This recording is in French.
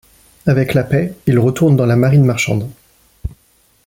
Avec la paix, il retourne dans la marine marchande.